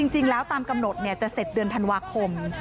จริงแล้วตามกำหนดจะเสร็จเดือนธันวาคม